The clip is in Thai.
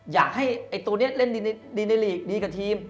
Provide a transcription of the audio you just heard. อยากให้ตัวนี้เล่นดีในลีกดีกับทีม